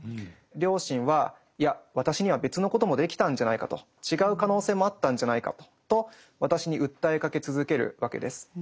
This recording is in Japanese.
良心は「いや私には別のこともできたんじゃないか」と「違う可能性もあったんじゃないか」と私に訴えかけ続けるわけです。